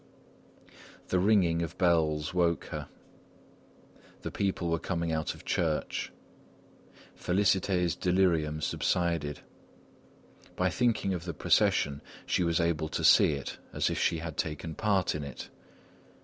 The ringing of bells woke her; the people were coming out of church. Félicité's delirium subsided. By thinking of the procession, she was able to see it as if she had taken part in it.